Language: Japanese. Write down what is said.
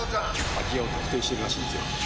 空き家を特定してるらしいんですよ。